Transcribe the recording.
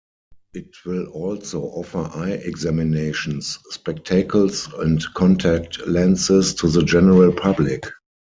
It will also offer eye examinations, spectacles and contact lenses to the general public.